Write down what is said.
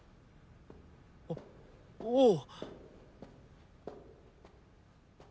おおう！